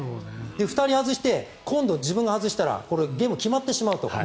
２人外して今度、自分が外したらゲームが決まってしまうと。